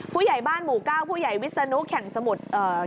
ผู้ใหญ่บ้านหมู่เก้าผู้ใหญ่วิศนุแข่งสมุทรเอ่อ